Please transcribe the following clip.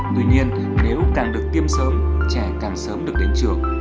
tuy nhiên nếu càng được tiêm sớm trẻ càng sớm được đến trường